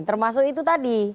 termasuk itu tadi